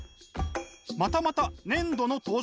またまた粘土の登場。